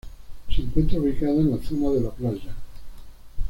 Se encuentra ubicada en la zona de la playa.